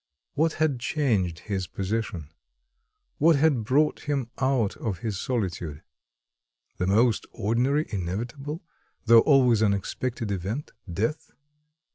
What had changed his position? What had brought him out of his solitude? The most ordinary, inevitable, though always unexpected event, death?